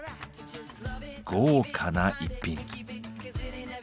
豪華な逸品。